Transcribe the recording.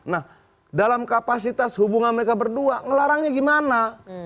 nah dalam kapasitas hubungan mereka berdua ngelarangnya gimana